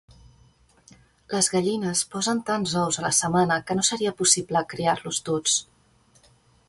Les gallines posen tants ous a la setmana que no seria possible criar-los tots.